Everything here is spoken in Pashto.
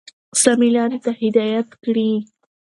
سمي لاري ته هدايت كړي،